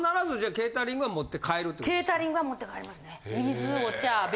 ケータリングは持って帰りますね。